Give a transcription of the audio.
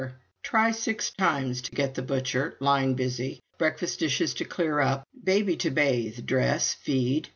Try six times to get the butcher line busy. Breakfast dishes to clear up; baby to bathe, dress, feed.